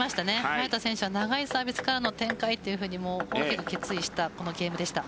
早田選手は長いサービスからの展開というふうに大きく決意したこのゲームでした。